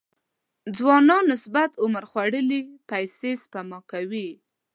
ځوانانو نسبت عمر خوړلي پيسې سپما کوي.